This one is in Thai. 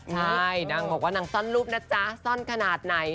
ใช่นางบอกว่านางซ่อนรูปนะจ๊ะซ่อนขนาดไหน